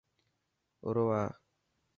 آرو آ.